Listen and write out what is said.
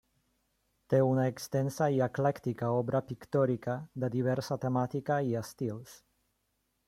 Té una extensa i eclèctica obra pictòrica de diversa temàtica i estils.